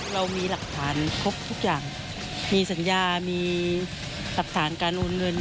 เรามีหลักฐานครบทุกอย่างมีสัญญามีหลักฐานการโอนเงิน